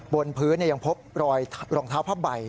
บนพื้นยังพบรอยรองเท้าผ้าใบ